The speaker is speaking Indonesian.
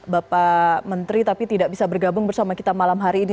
bapak menteri tapi tidak bisa bergabung bersama kita malam hari ini